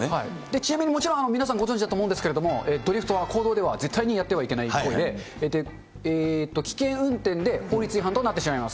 ちなみに、もちろん皆さんご存じだと思うんですけれども、ドリフトは公道では絶対にやってはいけない行為で、危険運転で法律違反となってしまいます。